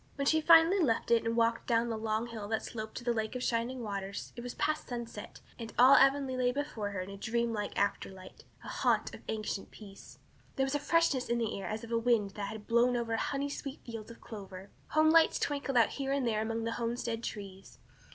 When she finally left it and walked down the long hill that sloped to the Lake of Shining Waters it was past sunset and all Avonlea lay before her in a dreamlike afterlight "a haunt of ancient peace." There was a freshness in the air as of a wind that had blown over honey sweet fields of clover. Home lights twinkled out here and there among the homestead trees.